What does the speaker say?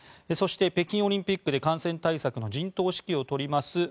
そして北京オリンピックで感染対策の陣頭指揮を執ります